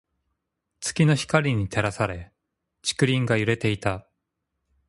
月の光に照らされ、竹林が揺れていた。